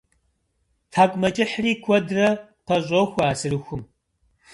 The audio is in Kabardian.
Тхьэкӏумэкӏыхьри куэдрэ пэщӏохуэ а сырыхум.